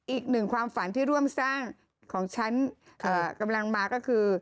อีกหนึ่งความฝันที่ร่วมสร้างของฉันกำลังมาก็คือ